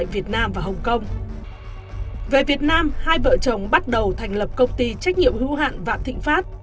về việt nam hai vợ chồng bắt đầu thành lập công ty trách nhiệm hữu hạn vạn thịnh pháp